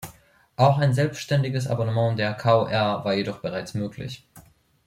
Auch ein selbständiges Abonnement der KoR war jedoch bereits möglich.